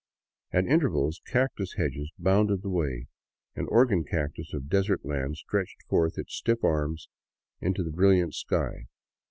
At intervals cactus hedges bounded the way, and the organ cactus of desert lands stretched forth its stiff arms into the brilliant sky.